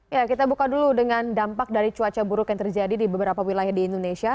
ya kita buka dulu dengan dampak dari cuaca buruk yang terjadi di beberapa wilayah di indonesia